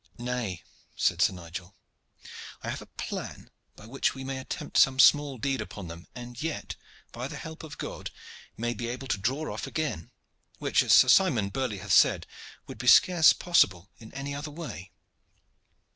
"Nay," said Sir Nigel, "I have a plan by which we may attempt some small deed upon them, and yet, by the help of God, may be able to draw off again; which, as Sir Simon Burley hath said, would be scarce possible in any other way."